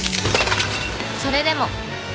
それでも